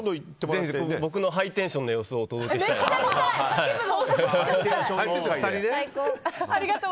ぜひ僕のハイテンションの様子をお届けしたいなと。